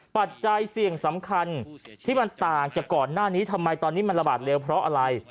ปัจจัยเสี่ยงสำคัญที่มันต่างจากก่อนหน้านี้ทำไมตอนนี้มันระบาดเร็วเพราะอะไร